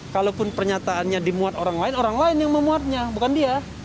kalaupun pernyataannya dimuat orang lain orang lain yang memuatnya bukan dia